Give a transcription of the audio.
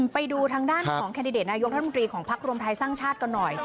ไปดูทางด้านของแคนดิเดตนายกรัฐมนตรีของพักรวมไทยสร้างชาติกันหน่อย